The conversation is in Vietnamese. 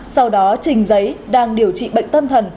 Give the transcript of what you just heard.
sau đó trình giấy đang điều trị bệnh tâm thần